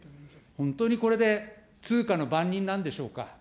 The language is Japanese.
本当にこれで通貨の番人なんでしょうか。